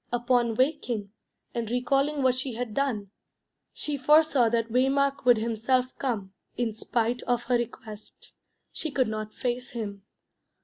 Upon waking, and recalling what she had done, she foresaw that Waymark would himself come, in spite of her request. She could not face him.